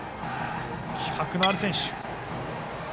気迫のある選手。